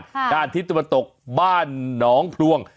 ค่ะด้านทิศตุบัตรตกบ้านหนองพรวง